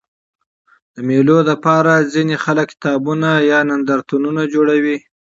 د مېلو له پاره ځيني خلک کتابتونونه یا نندارتونونه جوړوي.